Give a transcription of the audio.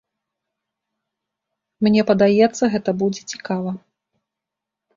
Мне падаецца, гэта будзе цікава.